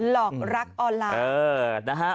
หลอกรักออนไลน์